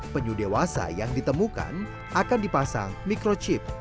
penyu dewasa yang ditemukan akan dipasang microchip